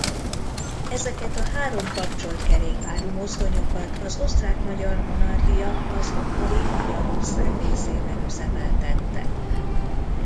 Ezeket a három kapcsolt kerékpárú mozdonyokat az Osztrák–Magyar Monarchia az akkori magyar országrészében üzemeltette.